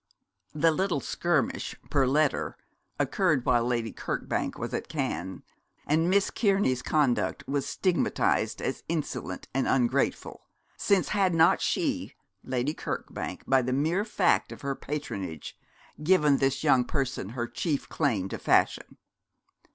The little skirmish per letter occurred while Lady Kirkbank was at Cannes, and Miss Kearney's conduct was stigmatised as insolent and ungrateful, since had not she, Lady Kirkbank by the mere fact of her patronage, given this young person her chief claim to fashion?